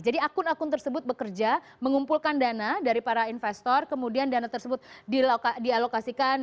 jadi akun akun tersebut bekerja mengumpulkan dana dari para investor kemudian dana tersebut dialokasikan